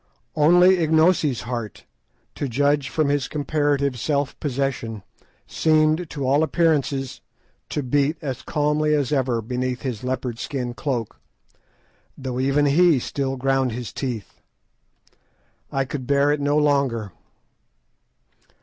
Only Ignosi's heart, to judge from his comparative self possession, seemed, to all appearances, to beat as calmly as ever beneath his leopard skin cloak, though even he still ground his teeth. I could bear it no longer.